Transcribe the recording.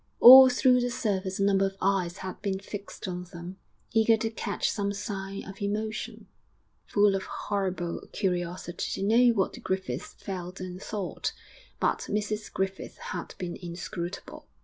All through the service a number of eyes had been fixed on them, eager to catch some sign of emotion, full of horrible curiosity to know what the Griffiths felt and thought; but Mrs Griffith had been inscrutable.